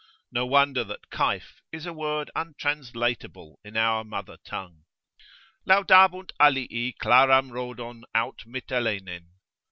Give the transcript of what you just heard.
No wonder that "Kayf" is a word untranslatable in our mother tongue![FN#12] "Laudabunt alii claram Rhodon aut Mytelenen."